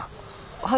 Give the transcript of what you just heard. はい。